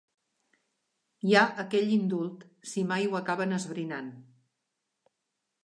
Hi ha aquell indult, si mai ho acaben esbrinant.